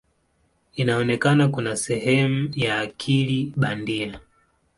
Inaonekana kama sehemu ya akili bandia.